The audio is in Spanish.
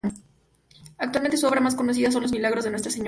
Actualmente, su obra más conocida son los "Milagros de Nuestra Señora".